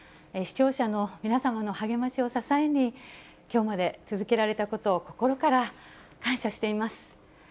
視聴者の皆様の励ましを支えにきょうまで続けられたことを心から感謝しています。